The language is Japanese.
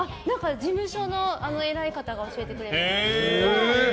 事務所の偉い方が教えてくれました。